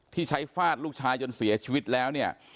ที่ใช้ฟาดลูกชายจนเสียชีวิตแล้วเนี่ย